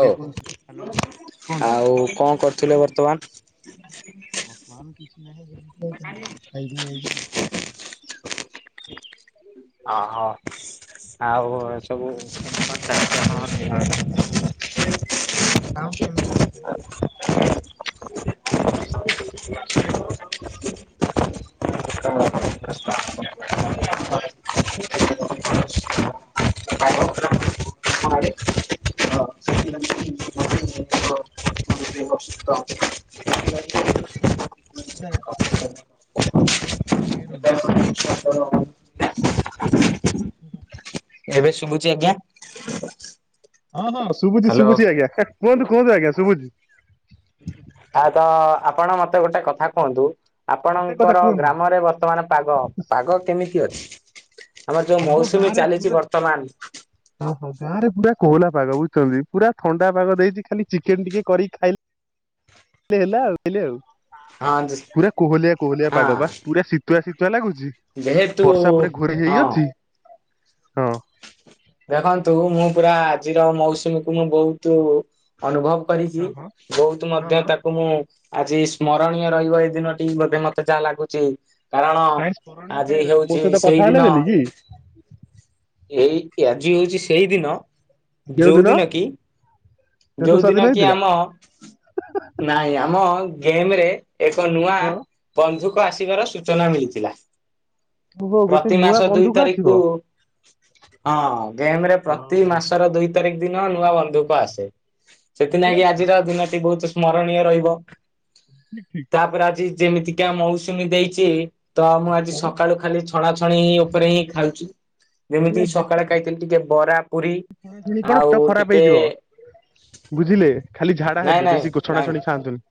ଓ ଆଉ କଣ କରୁଥିଲେ ବର୍ତ୍ତମାନ? ବର୍ତମାନ କିଛି ନାହିଁ ବୁଲୁଚି ଆଉ କଣ କରିବି। ଖାଇଦେଇ ଆଇଚି ବୁଲୁଚି। ଅହ। ଆଉ ସବୁ [unintelligible] ଆପଣଙ୍କ ସାଉଣ୍ଡ ଏମିତି ହୋଉଚି ସାର୍? [inaudible] [inaudible] [inaudible] [inaudible] ତ୍ ଡ଼ା ଆପଣଙ୍କ କଲ୍ କ୍ଲିୟର ହୋଉନି କି? [inaudible] ଏବେ ଶୁଭୁଚି ଆଜ୍ଞା? ହଁ ହଁ ଶୁବୁଚି ହ୍ୟାଲୋ। ଶୁବୁଚି ଆଜ୍ଞା କୁହନ୍ତୁ କୁହନ୍ତୁ ଆଜ୍ଞା ଶୁଭୁଚି। ଆ ତ ଆପଣ ମତେ ଗୋଟେ କଥା କୁହନ୍ତୁ? ଗୋଟେ କଥା ଆପଣଙ୍କର କୁହନ୍ତୁ ଗ୍ରାମରେ ବର୍ତ୍ତମାନ ପାଗ ପାଗ କେମିତି ଅଛି? ଆମର ଯୋଉ ଆଗ ମୌସୁମୀ ଗାଁ ରେ ଚାଲିଛି ପୁରା ବର୍ତ୍ତମାନ ଓହୋ ଗାଁ ରେ ପୁରା କୋହଲା ପାଗ ବୁଝୁଚନ୍ତି। ପୁରା ଥଣ୍ଡା ପାଗ ଦେଇଚି ଖାଲି ଚିକେନ ଟିକେ କରିକି ଖାଇଲେ ହେଲା ଆଉ ହେଲା ଆଉ। ହଁ ପୁରା କୋହଲିଆ କୋହଲିଆ ହଁ ପାଗ ବା ପୁରା ଶୀତୁଆ ଶୀତୁଆ ଲାଗୁଛି ଯେହେତୁ ବର୍ଷା ପରେ ଘୋରେଇ ହେଇ ହଁ। ଅଛି। ହଁ। ଦେଖନ୍ତୁ ମୁଁ ପୁରା ଆଜିର ମୌସୁମୀକୁ ମୁଁ ବହୁତ ଅନୁଭବ କରିଛି ହଁ ହଁ ବହୁତ ହଁ ମଧ୍ୟ ହଁ ତାକୁ ମୁଁ ଆଜି ସ୍ମରଣୀୟ ରହିବ ଦିନଟି ବୋଧେ ମତେ ଯାହା ଲାଗୁଛି। କାରଣ କାହିଁ ସ୍ମରଣୀୟ ଆଜି କାହିଁ ରହିବ ମୋ ହଉଛି ସହିତ କଥା ହେଲେ ସେଇଦିନ ବୋଲି କି? ଏଇ ଆଜି ହଉଛି ସେଇ ଦିନ ଯୋଉ ଦିନ କି ଶେଷ ସ୍ୱାଧୀନ ଯୋଉଦିନ କି ହେଇଥିଲା ଆମ ନାଇଁ ଆମ ଗେମ ରେ ଏକ ନୂଆ ହଁ ବନ୍ଧୁଙ୍କ ଆସିବାର ସୂଚନା ମିଳିଥିଲା। ଓହୋ ଗୋଟେ ପ୍ରତି ନୂଆ ମାସ ଦୁଇ ବନ୍ଧୁକ ଆସିବ। ତାରିକକୁ ହଁ ଗେମ ରେ ହଁ ପ୍ରତି ହଁ ମାସର ଦୁଇ ତାରିଖ ଦିନ ନୂଆ ବନ୍ଧୁଙ୍କ ଆସେ ସେଥି ସତରେ ଲାଗି କିି କି ଆଜିର ଦିନଟି ବହୁତ ସ୍ମରଣୀୟ ରହିବ। ଠିକ ଠିକ। ତାପରେ ଆଜି ଯେମିତିକା ମଉସୁମୀ ଦେଇଛି ତ ମୁଁ ଆଜି ସକାଳୁ ଖାଲି ଛଣା ଛଣି ଉପରେ ହିଁ ଖାଉଛି ଯେମିତି ସକାଳେ ଖାଇଥିଲି ଟିକେ ବରା ପୁରୀ କଣ ଆଉ ପେଟ ଖରାପ ଟିକେ ହେଇଯିବ କୁ ବୁଝିଲେ ଖାଲି ଝାଡା ହେବେ ନାଇଁ ବେଶୀ ଗ ନାଇଁ ଛଣାଛଣି ଖାଆନ୍ତୁନି?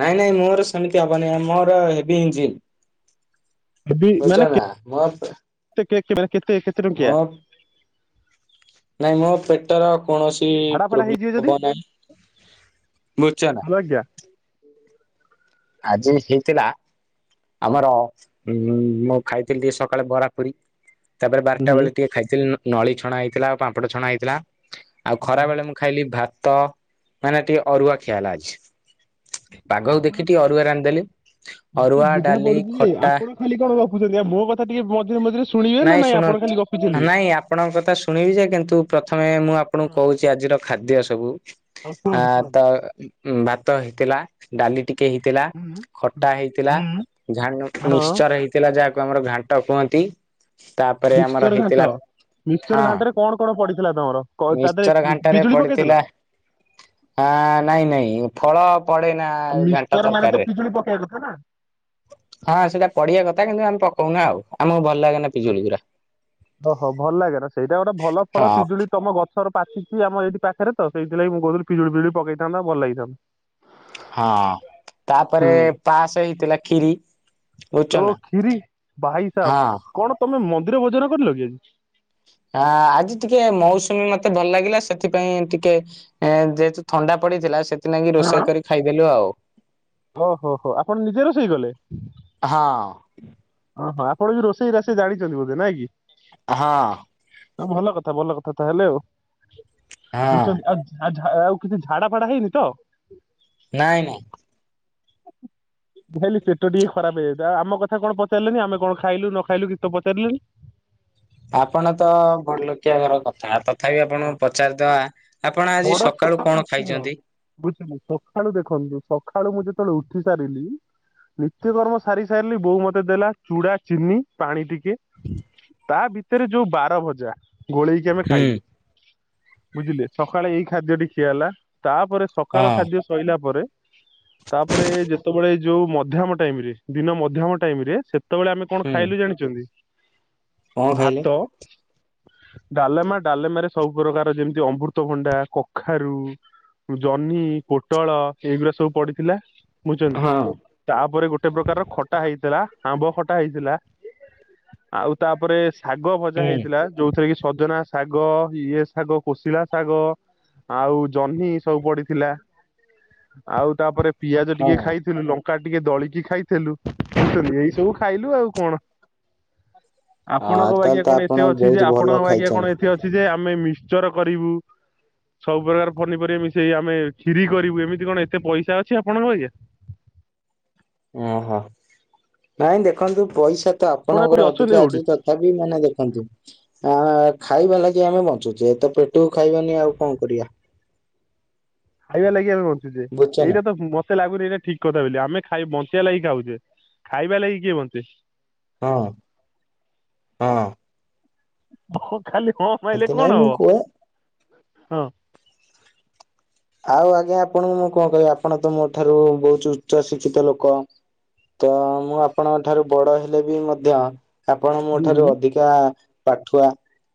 ନାଇଁ ନାଇଁ ମୋର ସେମିତି ହବନି ମୋର ହେଭି ଇଞ୍ଜିନ୍। ହେବି ମାନେ ସୂଚନା ମତ କେତେ କେ କେବେ କେତେ କେତେ ଟଙ୍କିଆ? ନାଇଁ ମୋ ପେଟର କୌଣସି ଝାଡା ଫାଡା ହେଇଯିବେ ପ୍ରୋବ୍ଲେମ ଯଦି ହବ ନାହିଁ। ବୁଝୁଛ ନା। ହ୍ୟାଲୋ ଆଜ୍ଞା ଆଜି ହେଇଥିଲା ଆମର ଉ ମୁଁ ଖାଇଥିଲି ଟ ସକାଳେ ବରା ପୁରୀ ତାପରେ ବାରଟା ହୁଁ। ବେଳେ ଟିକେ ଖାଇଥିଲି ନଳି ଛଣା ହେଇଥିଲା ପାମ୍ପଡ଼ ଛଣା ହେଇଥିଲା। ଆଉ ଖରା ବେଳେ ମୁଁ ଖାଇଲି ଭାତ ମାନେ ଟିକେ ଅରୁଆ ଖିଆ ହେଲା ଆଜି। ପାଗକୁ ଦେଖି ଟିକେ ଅରୁଆ ରାନ୍ଧିଦେଲି ଅରୁଆ ଯ ଡାଲି ପଡୁଛି ଯେ ଖଟା ଆପଣ ଖାଲି କଣ ଗପୁଛନ୍ତି ଆଉ ମୋ କଥା ଟିକେ ମଝିରେ ମଝିରେ ଶୁଣିବେ ନା ନାଇଁ ଆପଣ ଖାଲି ଗପୁଛନ୍ତି। ନାଇଁ ଆପଣଙ୍କ କଥା ଶୁଣିବି ଯେ କିନ୍ତୁ ପ୍ରଥମେ ମୁଁ ଆପଣଙ୍କୁ ହଁ କହୁଛି ଆଜିର ଖାଦ୍ୟ ସବୁ। ଆ କୁହନ୍ତୁ କୁହନ୍ତୁ ତ ଉ ଭାତ ହେଇଥିଲା ଡାଲି ଟି କେ ହେଇଥିଲା ଖଟା ହେଇଥିଲା ଝାଲ୍ ହଁ ମିଶ୍ଚର ହେଇଥିଲା ଯାହାକୁ ଆମର ଘାଣ୍ଟ କହନ୍ତି। ତାପରେ ଆମର ମିକ୍ସଚର ଘାଣ୍ଟ। ହେଇଥିଲା ମିକ୍ସଚର ହଁ। ଘାଣ୍ଟରେ କଣ କଣ ପଡିଥିଲା ତମର କ- ତା ଦେହରେ ମିଶ୍ଚର ଘାଣ୍ଟରେ ବିଜୁଳି ପକେଇଥିଲ? ପଡିଥିଲା ହ ନାଇଁ ନାଇଁ ଫଳ ପଡେନା ଘାଣ୍ଟ ମିକ୍ସଚର ମାନେ ତ ତରକାରୀରେ। ପିଜୁଳି ପକେଇବା କଥା ନା। ହଁ ସେଇଟା ପଡିିବା କଥା କିନ୍ତୁ ଆମେ ପକଉନା ଆଉ ଆମ ଭଲ ଲାଗେନା ପିଜୁଳି ଗୁରା ଓ ହୋ ଭଲ ଲାଗେ ନା ସେଇଟା ଗୋଟେ ଭଲ ଫଳ ହଁ ପିଜୁଳି ତମ ଗ ର ପାଚିଛି ଆମ ଏଇଠି ପାଖରେ ତ ସେଇଥିଲାଗି ମୁଁ କହୁଥିଲି ପିଜୁଳି ପିଜୁଳି ପକେଇଥାନ୍ତା ଭଲ ଲାଗିଥାନ୍ତା। ହଁ ତାପରେ ହୁଁ ପାସ ହେଇଥିଲା ଖିରି। ଓ ଖିରି ଭାଇ ହଁ ସାବ କଣ ତମେ ମନ୍ଦିର ଭୋଜନ କରିଲ କି? ଆ ଆଜି ଟିକେ ମୌସୁମୀ ମତେ ଭଲ ଲାଗିଲା ସେଥିପାଇଁ ଟିକେ ଯେହେତୁ ଥଣ୍ଡା ପ ପଡ଼ିଥିଲା ସେଥିଲାଗି ରୋଷେଇ କରି ଖାଇଦେଲୁ ଆଉ। ଓ ହୋ ହୋ ଆପଣ ନିଜେ ରୋଷେଇ କଲେ? ହଁ ହଁ ହଁ ଆପଣ ବି ରୋଷେଇ ରାଷେଇ ଜାଣିଛନ୍ତି ବୋଧେ ନାଇଁ କି? ହଁ ହ ଭଲ କଥା ଭଲ କଥା ତାହେଲେ ଆଉ ହଁ [unintelligible] ଆଉ କିଛି ଝାଡା ଫାଡା ହେଇନି ତ? ନାଇଁ ନାଇଁ ମୁଁ ଭାବିଲି ପେଟ ଟିକେ ଖରାପ ହେଇଯାଇଥିଲା ଆମ କଥା କଣ ପଚାରିଲେନି ଆମେ କଣ ଖାଇଲୁ ନ ଖାଇଲୁ କିଛି ତ ପଚାରିଲେନି। ଆପଣ ତ ବଡଲୋକିଆ ଘର କଥା ତ ତଥାପି ହଁ, ଆପଣଙ୍କୁ ପଚାରିଦବା ଆପଣ ଆଜି ସକାଳୁ କଣ ଖାଇଛନ୍ତି? ବୁଝିଲୁ ସକାଳୁ ଦେଖନ୍ତୁ ସକାଳୁ ମୁଁ ଯେତେବେଳେ ଉଠି ସାରିଲି। ନିତ୍ୟକର୍ମ ସାରି ସାରିଲି ବୋଉ ମତେ ଦେଲା ଚୁଡା, ଚିନି ପାଣି ଟିକେ। ତା ଭିତରେ ଯୋଉ ବାର ଭଜା ଗୋଳେଇକି ଆମେ ହୁଁ ଖାଇଲୁ। ବୁଝିଲେ ସକାଳେ ଏଇ ଖାଦ୍ୟଟି ଖିଆ ହେଲା। ତାପରେ ହଁ ସକାଳ ଖାଦ୍ୟ ସଇଲା ପରେ। ତାପରେ ଯେତେବେଳେ ଯୋଉ ମଧ୍ୟମ ଟାଇମ ରେ ଦିନ ମଧ୍ୟମ ଟାଇମ ରେ ସେତ୍ ସେତେବେଳେ ଆମେ କଣ ହୁଁ। ଖାଇଲୁ ଜାଣିଚନ୍ତି? କଣ ଖାଇଲେ? ଭାତ ଡାଲେମା ଡାଲେମାରେ ସବୁ ପ୍ରକାର ଯେମିତି ଅମୃତଭଣ୍ଡା, କଖାରୁ ଜହ୍ନି, ପୋଟଳ ଏଇଗୁରା ସବୁ ପଡିଥିଲା। ହଁ ବୁଝଚନ୍ତି ତା ପରେ ଗୋଟେ ପ୍ରକାରର ଖଟା ହେଇଥିଲା। ଆମ୍ବ ଖଟା ହେଇଥିଲା। ଆଉ ତା ପରେ ଶାଗ ଭଜା ହୁଁ ହେଇଥିଲା। ଯୋଉଥିରେ କି ସଜନା ଶାଗ ଇଏ ଶାଗ କୋଶଳା ଶାଗ ଆଉ ଜହ୍ନି ସବୁ ପଡିଥିଲା। ଆଉ ତା ପରେ ପିଆଜ ଟିକେ ହଁ। ଖାଇଥିଲୁ। ଲଙ୍କ କା ଟିକେ ଦଳିକି ଖାଇଥେଲୁ ବୁଝୁଚନ୍ତି ଏଇ ସବୁ ଖାଇଲୁ ଆଉ କଣ। ହଁ ଆପଣଙ୍କ ତାହେଲେ ବାଗିଆ ତ କଣ ଆପଣ ଏତେ ଅଛି ଯେ। ବହୁତ ଭଲ ଆପଣଙ୍କ ବାଗିଆ କଣ ଖାଇଛନ୍ତି। ଏଥି ଅଛି ଯେ ଆମେ ମିିକ୍ଚର କରିବୁ। ସବୁ ପ୍ରକାର ପନିପରିବା ମିଶେଇ ଆମେ କ୍ଷୀରି କରିବୁ। ଏମିତି କଣ ଏତେ ପଇସା ଅଛି ଆପଣଙ୍କ ବାଗିଆ? ଓହୋ ନାଇଁ ଦେଖନ୍ତୁ ପଇସା ତ ଆପଣ ଆପଣଙ୍କର କୋଉଠି ଅଛନ୍ତି ଅଧିକା ଅଛି କୋଉଠି ତଥାପି ମାନେ ଦେଖନ୍ତୁ ଆ ଆ ଖାଇବା ଲାଗି ଆମେ ବନ୍ ଞ୍ଚୁଚେ ତ ପେଟକୁ ଖାଇବାନି ଆଉ କଣ କରିବା? ଖାଇବା ଲାଗି ଆମେ ବଞ୍ଚୁଚେ। ବୁଝୁଛ ନା। ଏଇଟା ତ ମ ମତେ ଲାଗୁନି ଏଇଟା ଠିକ କଥା ବେଲି ଆମେ ଖାଇ ବଞ୍ଚିବା ଲାଗି ଖାଉଚେ। ଖାଇବା ଲାଗି କିଏ ବଞ୍ଚେ? ହଁ ହଁ। ହଁ ଖାଲି ହଁ ମାଇଲେ ଏତେ ନାଇଁ କଣ ମୁଁ କୁହେ ହବ? ଆଉ ଆଜ୍ଞା ଆପଣଙ୍କୁ ମୁଁ କଣ କହିବି ଆପଣ ତ ମୋ ଠାରୁ ବହୁତ ଉଚ୍ଚ ଶିକ୍ଷିତ ଲୋକ। ତ ମୁଁ ଆପଣଙ୍କ ଠାରୁ ବଡ ହେଲେ ବି ମଧ୍ୟ ଆପଣ ମୋ ହୁଁ ଠାରୁ ହୁଁ। ଅଧିକା ପାଠୁଆ।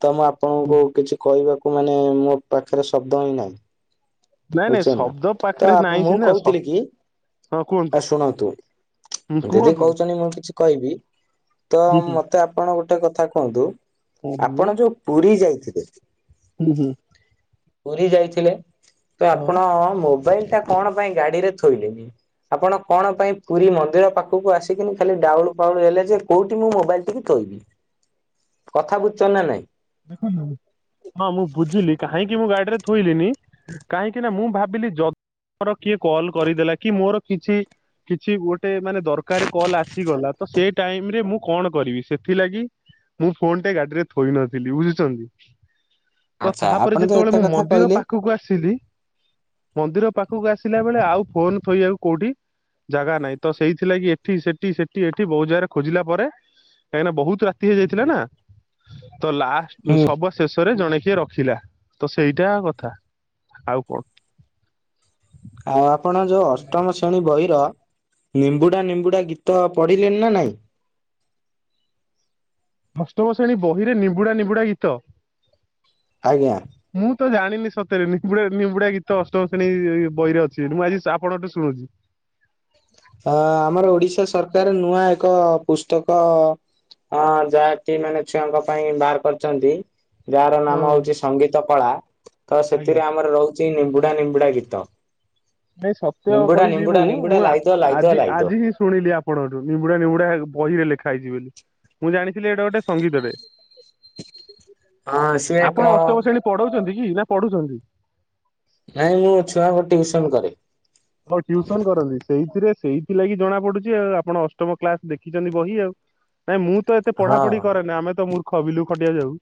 ତ ମୁଁ ଆପଣଙ୍କୁ କିଛି କହିବାକୁ ମାନେ ମୋ ପାଖରେ ଶବ୍ଦ ହିଁ ନାଇଁ। ନାଇଁ ନାଇଁ ବୁଝୁଚନ୍ତି ନା ଶବ୍ଦ ତ ପାଖରେ ନାହିଁ ମୁଁ ସିନା ଶ କହୁଥିଲି କି ହଁ କୁହନ୍ତୁ ଆ ଶୁଣନ୍ତୁ। ହୁଁ ଯଦି କୁହନ୍ତୁ କହୁଚନ୍ତି ମୁଁ କିଛି କହିବି ତ ହୁଁ ହୁଁ। ମତେ ଆପଣ ଗୋଟେ କଥା କୁହନ୍ତୁ। ହୁଁ ହୁଁ ଆପଣ ଯୋଉ ପୁରୀ ଯାଇଥିଲେ। ହୁଁ ହୁଁ। ପୁରୀ ଯାଇଥିଲେ ତ ହଁ। ଆପଣ ମୋବାଇଲ ଟା କଣ ପାଇଁ ଗାଡି ରେ ଥୋଇଲେନି। ଆପଣ କଣ ପାଇଁ ପୁରୀ ମନ୍ଦିର ପାଖକୁ ଆସିକିନି ଖାଲି ଡାଉଳ ପାଉଳୁ ହେଲେ ଯେ କୋଉଠି ମୁଁ ମୋବାଇଲଟିିକି ଥୋଇବି। କଥା ବୁଝଚନ୍ତି ନା ନାଇଁ? ରେ ଥୋଇଲିିନି କାହିଁକି ନା ମୁଁ ଭାବିଲି ଯଦ୍ ମୋର କିଏ କଲ କରିଦେଲା କି ମୋର କିଛି କିଛି ଗୋଟେ ମାନେ ଦରକାରେ କଲ ଆସିଗଲା। ତ ସେଇ ଟାଇମରେ ମୁଁ କଣ କରିବି ସେଥିଲାଗି ମୁଁ ଫୋନ ଟା ଗାଡିରେ ଥୋଇ ନଥିଲି ବୁଝୁଚନ୍ତି? ତ ଆଚ୍ଛା ତା ପରେ ଆପଣ ତ ଯେତେବେଳେ ଏତେ ମୁଁ କଥା ମନ୍ଦିର କହିଲେ ପାଖକୁ ଆସିଲି ମନ୍ଦିର ପାଖକୁ ଆସିଲା ବେଳେ ଆଉ ଫୋନ ଥୋଇଆକୁ କୋଉଠି ଜାଗା ନାଇଁ ତ ସେଇଥି ଲାଗି ଏଠି ସେଠି ସେଠି ଏଠି ବୋହୁତ୍ ଜାଗାରେ ଖୋଜିଲା ପରେ କାହିଁକିନା ବହୁତ ରାତି ହେଇଯାଇଥିଲା ନା ତ ଲାଷ୍ଟ ହୁଁ ସବ ଶେଷରେ ଜଣେ କିଏ ରଖିଲା ତ ସେଇଟା କଥା। ଆଉ କଣ? ଆଉ ଆପଣ ଯୋଉ ବୁଝିଲେ ଅଷ୍ଟମ ଶ୍ରେଣୀ ବହିର ନିମ୍ବୁଡା ନିମ୍ବୁଡା ଗୀତ ପଢିଲେନ ନା ନାଇଁ? ଅଷ୍ଟମ ଶ୍ରେଣୀ ବହିରେ ନିମ୍ବୁଡା ନିମ୍ବୁଡା ଗୀତ? ଆଜ୍ଞା। ମୁଁ ତ ଜାଣିନି ସତରେ ନିମ୍ବୁଡା ନିମ୍ବୁଡା ଗୀତ ଅଷ୍ଟମ ଶ୍ରେଣୀ ବହିରେ ଅଛି ବେଲି ମୁଁ ଆଜି ଆପଣଙ୍କ ଠୁ ଶୁଣୁଚି। ହଁ ଆମର ଓଡିଶା ସରକାର ନୂଆ ଏକ ପୁସ୍ତକ ହଆଁ ଯାହାକି ମାନେ ଛୁଆଙ୍କ ପାଇଁ ବାହାର କରିଛନ୍ତି। ଯାହାର ନାମ ହୋଉଛି ସଙ୍ଗୀତ କଳା ତ ଆଜ୍ଞା ସେଥିରେ ଆମର ରହୁ ଚି ନିମ୍ବୁଡା ନିମ୍ବୁଡା ଗୀତ। ନାଇ ସତ୍ୟ ନିମ୍ବୁଡା କହିବି ମୁଁ ନିମ୍ବୁଡା ନିମ୍ବୁଡା ମୁଁ ଆ ଲାଇଦୋ ଲାଇଦୋ ଆଜି ଲାଇଦୋ ଆଜି ହିଁ ଶୁଣିଲି ଆପଣଠୁ ନିିବୁଡା ନିିବୁଡା ବହିରେ ଲେଖା ହେଇଛି ବୋଲି ମୁଁ ଜାଣିଥିଲି ଏଇଟା ଗୋଟେ ସଙ୍ଗୀତ ଟେ। ହଁ ସିଏ ଏକ ଆପଣ ଅଷ୍ଟମ ଶ୍ରେଣୀ ପଢଉଛନ୍ତି କି ନା ପଢୁଛନ୍ତି? ନାଇଁ ମୁଁ ଛୁଆଙ୍କୁ ଟିଉସନ କରେ। ହୋଉ ଟ୍ୟଉସନ କରନ୍ତି ସେଇଥିରେ ସେଇଥିଲାଗି ଜଣା ପଡୁଛି ଆଉ ଆପଣ ଅଷ୍ଟମ କ୍ଲାସ ଦେଖିଛନ୍ତି ବହି ଆଉ। ନାଇଁ ମୁଁ ତ ଏତେ ପଢା ହଁ। ପଢି କରେନି ଆମେ ତ ମୂର୍ଖ ବିଲକୁ ଖଟିବାକୁ ଯାଉ।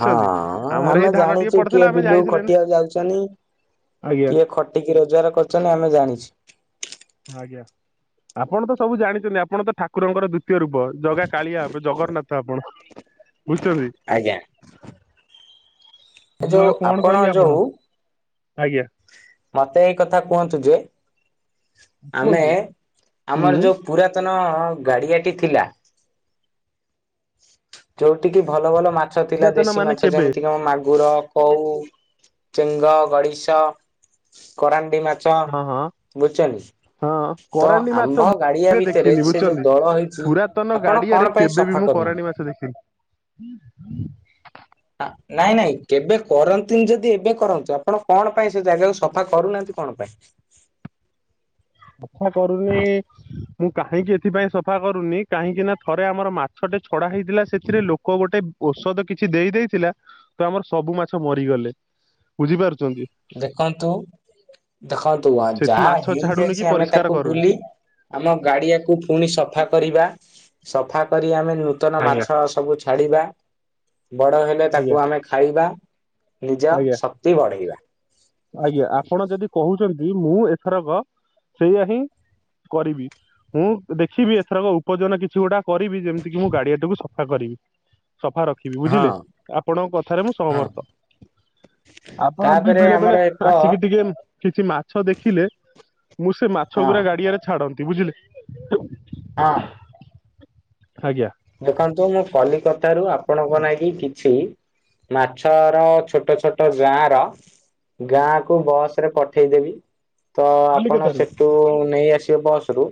ହଁ ହଁ ଆମର ଆମେ ଏଇ ଧାନ ଟିକେ ଜାଣିଛୁ କିଏ ପଡିଥିଲା ଆମେ ବିଲକୁ ଯାଇଥିଲେ ନା ଖଟିିବାକୁ ଯାଉଚନି। ଆଜ୍ଞା କିଏ ଖଟିକି ରୋଜଗାର କରିଚନ୍ତି ଆମେ ଜାଣିଚି ଆଜ୍ଞା ଆପଣ ତ ସବୁ ଜାଣିଚନ୍ତି ଆପଣ ତ ଠାକୁରଙ୍କର ଦୁତ୍ ତୀୟ ରୂପ ଜଗା କାଳିଆ ଜଗନ୍ନାଥ ଆପଣ। ବୁଝୁଚନ୍ତି। ଏ ଯୋଉ ଆପଣ ଯୋଉ ଆପଣଙ୍କୁ ଆଜ୍ଞା ମତେ ଏଇ କଥା କୁହନ୍ତୁ ଯେ ଆମେ କୁହନ୍ତୁ ହୁଁ ଆମର ଯୋଉ ପୁରାତନ ଗାଡିଆଟି ଥିଲା ଯୋଉଟି କିି ଭଲ ଭଲ ମାଛ ଥିଲା ପୁରାତନ ଦେଶୀ ମାନେ ମାଛ କେବେ ଯେମିତିକି ଆମ ମାଗ୍ ଗୁର କଉ ଚେଙ୍ଗ ଗଡିଶ କରାନ୍ ଣ୍ଡି ମାଛ ହଁ ହଁ ବୁଝୁଚନ୍ତି। ହଁ ତ କରାଣ୍ଡି ମାଛ ଆମ ମୁଁ ଗାଡିଆ କେବେ ଭିତରେ ଦେଖିନି ସେ ଯୋଉ ବୁଝୁଛନ୍ତି ଦଳ ହେଇଚି ପୁରାତନ ଆପଣ ଗାଡିଆରେ କଣ ପାଇଁ କେବେ ବି ସଫା ମୁଁ କରୁ କରାଣ୍ଡି ମାଛ ଦେଖିନି। ଆ ନାଇଁ ନାଇଁ କେବେ କରନ୍ତିନି ଯଦି ଏବେ କରନ୍ତୁ ଆପଣ କଣ ପାଇଁ ସେ ଜାଗାକୁ ସଫା କରୁନାହାନ୍ତି କଣ ପାଇଁ? ସଫା କରୁନି ମୁଁ କାହିଁକି ଏଥିପାଇଁ ସଫା କରୁନି କାହିଁକି ନା ଥରେ ଆମର ମାଛ ଛଡା ହେଇଥିଲା ସେଥିରେ ଲୋକ୍ କଉ ଗୋଟେ ଔଷଧ କିଛି ଦେଇ ଦେଇଥିଲା ତ ଆମର ସବୁ ମାଛ ମରିଗଲେ ବୁଝିପାରୁ ଦେଖନ୍ତୁ ଦେଖନ୍ତୁ ସେଠି ଯାହା ମାଛ ଛାଡୁନି କି ହେଇଯାଇଚି ଆମେ ପରିଷ୍କାର ତାକୁ କରୁନି। ଭୁଲି ଆମ ଗାଡିଆକୁ ପୁଣି ସଫା କରିବା। ସଫା କରି ଆମେ ନୂତନ ଆଜ୍ଞା। ମାଛ ସବୁ ଛାଡିବା ବଡ ହେଲେ ତାକୁ ଆଜ୍ଞା ଆମେ ଖାଇବା ନିଜ ଆଜ୍ଞା ଶକ୍ତି ବଢେଇବା। କହୁଚନ୍ତି ମୁଁ ଏଥରକ ସେଇଆା ହିଁ କରିବି। ମୁଁ ଦେଖିବି ଏଥରକ ଉପଜନ କିଛି ଗୁଡା କରିବି ଯେମିତି କି ମୁଁ ଗାଡିଆଟାକୁ ସଫା କରିବି। ସଫା ରଖିବି ହଁ ବୁଝିଲେ ଆପଣଙ୍କ କଥାରେ ମୁଁ ହଁ ସହମର୍ଥ। ଆପଣ ବି ତାପରେ ବେଳେ ଆମର ବେଳେ ଏକ ଆସିକି ଟିକେ କିଛି ମାଛ ଦେଖିଲେ ମୁଁ ସେ ମାଛ ହଁ ଗୁରା ଗାଡିଆରେ ଛାଡନ୍ତି ବୁଝିଲେ କି? ହଁ ଆଜ୍ଞା ଦେଖନ୍ତୁ ମୁଁ କଲିକତାରୁ ଆପ୍ ଆପଣଙ୍କ ନାଗି କିଛି ମାଛର ଛୋଟ ଛୋଟ ଯାର ଗାଁ କୁ ବସରେ ପଠେଇଦେବି ତ ଆପଣ କଲିକତାରୁ ସେଠୁ ନେଇ ଆ ସିବେ ବସରୁ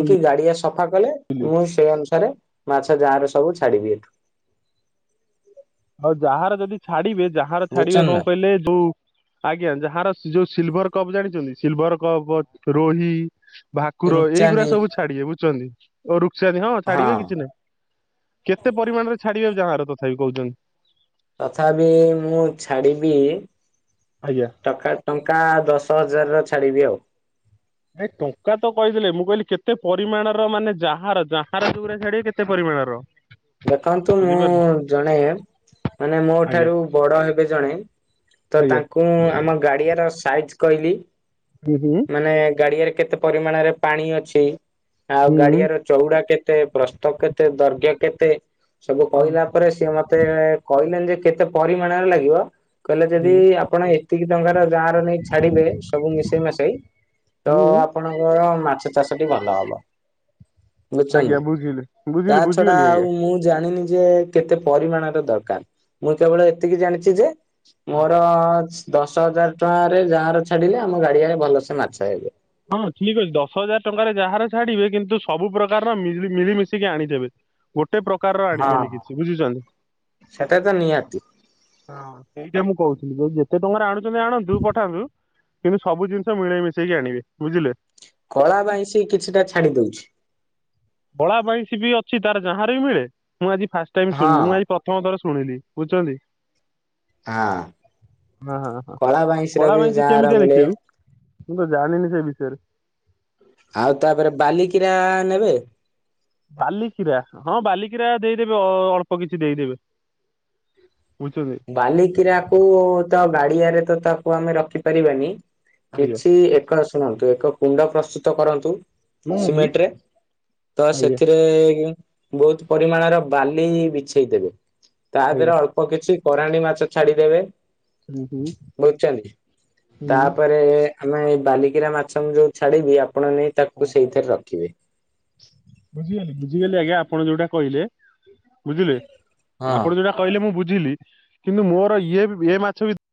ବୁଝି ଗାଡିଆ ସଫା କଲେ ମୁଁ ସେ ଅନୁସାରେ ମାଛ ଯାର ସବୁ ଛାଡିବି ଏଠୁ। ଆଉ ଯାହାର ଯଦି ଛାଡିବେ ଯାହାର ଛାଡିବେ ବୁଝୁଛନ୍ତି କଣ ନା କହିଲେ ଯୋଉ ଆଜ୍ଞା ଯାହାର ଯୋଉ ସିଲଭର କପ୍ ଜାଣିଚନ୍ତି ସିଲଭର କପ୍ ରୋହି ଭାକୁର ଏଇଗୁଡା ରୂପଚାନ୍ଦି ସବୁ ଛାଡିିବେ ବୁଝୁଛନ୍ତି ଓ ରୁକ୍ ଚାନ୍ଦି ହଁ ଛାଡିବେ କିଛି ନାହିଁ କେତେ ପରିମାଣରେ ଛାଡିବେ ଯାହାର ତଥାପି କହୁଚନ୍ତି? ତଥାପି ମୁଁ ଛାଡିବି ଆଜ୍ଞା ଟକା ଟଙ୍କା ଦଶ ହଜାରର ଛାଡିବି ଆଉ। ଏ ଟଙ୍କା ତ କହିଦେଲେ ମୁଁ କହିଲି କେତେ ପରିମାଣର ମାନେ ଯାହାର ଯାହାର ଯଉ ଗୁରାକ ଛାଡିବେ କେତେ ପରି ରିମାଣର ଦେଖନ୍ତୁ ମୁଁ ଜଣେ ମାନେ ମୋ ଆଜ୍ଞା ଠାରୁ ବଡ ହେବେ ଜଣେ ତ ଆଜ୍ଞା ତାଙ୍କୁ ଆମ ଗାଡିଆର ସାଇଜ କହିଲି, ହୁଁ ହୁଁ ମାନେ ଗାଡିଆରେ କେତେ ପରିମାଣରେ ପାଣି ଅଛି ଆଉ ହୁଁ ଗାଡିଆର ଚଉଡା କେତେ ପ୍ରସ୍ତ କେତେ ଦୈର୍ଘ୍ୟ କେତେ? ସବୁ କହିଲା ପରେ ସିଏ ମତେ କହିଲେନି ଯେ କେତେ ପରିମାଣର ଲାଗିବ କହିଲେ ଯଦି ଆପଣ ଏତିକି ଟଙ୍କାର ଜାଁଆର ନେଇ ଛାଡିବେ ସବୁ ମିଶେଇ ମାଶେଇ ତ ହୁଁ ଆପଣଙ୍କର ମାଛ ଚାଷଟି ଭଲ ହବ। ବୁଝୁଚନ୍ତି ଆଜ୍ଞା ନା ବୁଝିଲି ତା ବୁଝିଲି ଛଡା ବୁଝିଗଲି ଆଜ୍ଞା ଆଉ ମୁଁ ଜାଣିନି ଯେ କେତେ ପରିମାଣର ଦରକାର ମୁଁ କେବଳ ଏତିକି ଜାଣିଚି ଯେ ମୋର ଦଶ ହଜାର ଟଙ୍କାରେ ଯାଁଆର ଛାଡିଲେ ଆମ ଗାଡିଆରେ ଭଲସେ ମାଛ ହେବେ। ହଁ ଠିକ୍ ଅଛି ଦଶ ହଜାର ଟଙ୍କାରେ ଯାହାର ଛାଡିବେ କିନ୍ତୁ ସବୁ ପ୍ରକାରର ମି ମିଳିମିଶିକି ଆଣିଦେବେ ଗୋଟେ ଟେ ପ୍ରକାରର ଆଣିବେନି ହଁ। କିଛି ବୁଝିଚନ୍ତି। ସେଟା ତ ନିହାତି ହଁ ସେଇଟା ମୁଁ କହୁଥିଲି ଯ ଯେତେ ଟଙ୍କାରେ ଆଣୁଚନ୍ତି ଆଣନ୍ତୁ ପଠାନ୍ତୁ। କିନ୍ତୁ ସବୁ ଜିନିଷ ମିଳେଇ ମିଶେଇକି ଆଣିବେ ବୁଝିଲେ। କଳା ବାଇଁଶି କିଛିଟା ଛାଡି ଦଉଛି ବଳା ବାଇଁଶୀ ବି ଅ ଚି ତାର ଯାହାର ବି ମିଳେ ମୁଁ ଆଜି ଫାଷ୍ଟ ଟାଇମ୍ ହଁ ଶୁଣିଲି ମୁ ଆଜି ପ୍ରଥମ ଥର ଶୁଣିଲି ବୁଝୁଚନ୍ତି। ହଁ ଅ ହ ହଁ କଳା ବାଇଁଶିର କଳା ବି ପାଇଁସି ଯାହାର କେମିତିଆ ମିଳେ ଦେଖିବାକୁ? ମୁଁ ତ ଜାଣିନି ସେ ବିଷୟରେ। ଆଉ ତା ଦିହରେ ବାଲିିକିରା ନେବେ? ବାଲିିକିରା ହଁ ବାଲିକିରା ଦେଇଦେବି ଅ ଅଳ୍ପ କିଛି ଦେଇଦେବି। ବାଲିିକିରାକୁ ତ ଗାଡିଆରେ ତ ତାକୁ ଆମେ ରଖିପାରିବାନି। ଆଜ୍ଞା କିଛି ଏକ ଶୁଣନ୍ତୁ ଏକ କୁଣ୍ଡ ପ୍ରସ୍ତୁତ କରନ୍ତୁ। ହୁଁ ହୁଁ ସିମେଣ୍ଟ ରେ ତ ଆଜ୍ଞା ସେଥିରେ ବହୁତ ପରିମାଣର ବାଲି ବିଛେଇ ଦେବେ ତା ଆଜ୍ଞା ଦେହରେ ଅଳ୍ପ କିଛି କୋରାଣ୍ଡି ମାଛ ଛାଡିଦେବେ ହୁଁ ବୁଝଚନ୍ତି ହୁଁ ତାପରେ ଆମେ ଏ ବାଲିକିରା ମାଛ ମୁ ଯୋଉ ଛାଡିବି ଆପଣ ନେଇ ତାକୁ ସେଇଥିରେ ରଖିବେ। ବୁଝିଗଲି ବୁଝିଗଲି ଆଜ୍ଞା ଆପଣ ଯୋଉଟା କହିଲେ ବୁଝିଲେ। ହଁ ଆପଣ ଯୋଉଟା କହିଲେ ମୁଁ ବୁଝିଲି କିନ୍ତୁ ମୋର ଇଏ ଏ ମାଛ ବି